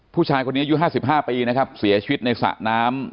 ผู้ชายคนนี้อายุ๕๕ปีนะครับเสียชีวิตในสระน้ำ